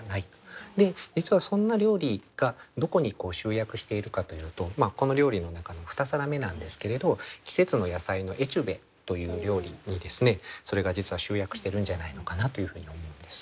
実はそんな料理がどこに集約しているかというとこの料理の中の２皿目なんですけれど「季節の野菜のエチュベ」という料理にそれが実は集約してるんじゃないのかなというふうに思うんです。